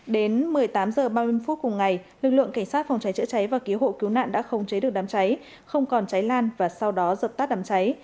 đến một mươi tám h ba mươi phút cùng ngày lực lượng cảnh sát phòng cháy chữa cháy và cứu hộ cứu nạn đã không chế được đám cháy không còn cháy lan và sau đó dập tắt đám cháy